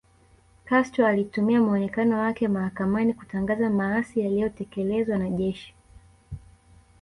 Castro alitumia muonekano wake mahakamani kutangaza maasi yaliyotekelezwa na jeshi